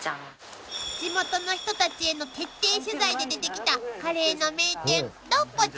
［地元の人たちへの徹底取材で出てきたカレーの名店］